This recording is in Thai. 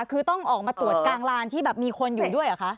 คือต้องออกมาตรวจกลางลานที่แบบมีคนอยู่ด้วยเหรอคะ